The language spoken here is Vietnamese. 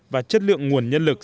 và chất lượng nguồn nhân lực